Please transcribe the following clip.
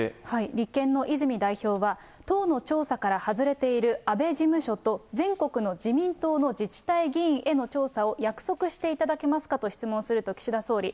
立憲の泉代表は、党の調査から外れている安倍事務所と全国の自民党の自治体議員への調査を約束していただけますかと質問すると岸田総理。